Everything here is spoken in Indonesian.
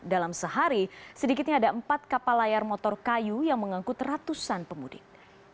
dalam sehari sedikitnya ada empat kapal layar motor kayu yang mengangkut ratusan pemudik